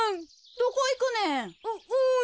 どこいくねん？